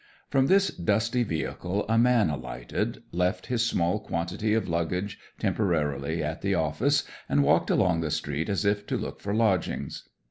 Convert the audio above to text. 'From this dusty vehicle a man alighted, left his small quantity of luggage temporarily at the office, and walked along the street as if to look for lodgings.